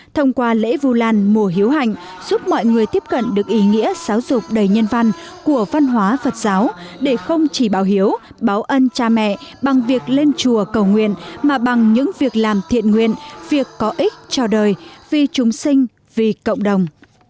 thông qua lễ vu lan mùa hiếu hạnh giúp mọi người tiếp cận được ý nghĩa giáo dục đầy nhân văn của văn hóa phật giáo để không chỉ báo hiếu báo ân cha mẹ bằng việc lên chùa cầu nguyện mà bằng những việc làm thiện nguyện việc có ích cho đời vì chúng sinh vì cộng đồng